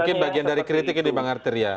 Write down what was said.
mungkin bagian dari kritik ini bang artir ya